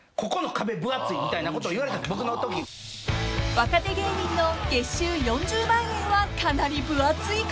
［若手芸人の月収４０万円はかなり分厚い壁］